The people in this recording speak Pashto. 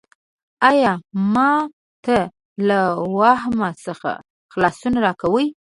ایا ما ته له واهمو څخه خلاصون راکوې؟